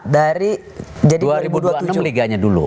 dari dua ribu dua puluh tujuh liganya dulu